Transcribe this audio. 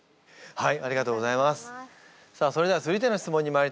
はい。